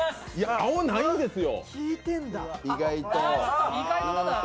青、ないんですよ。